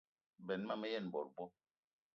Benn ma me yen bot bo.